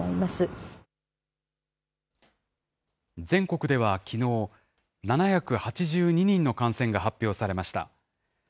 全国ではきのう、７８２人の感染が発表されました。